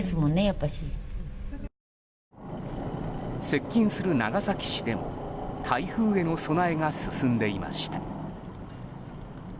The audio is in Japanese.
接近する長崎市でも台風への備えが進んでいました。